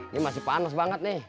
ini masih panas banget nih